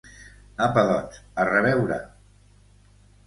Apa doncs, a reveure!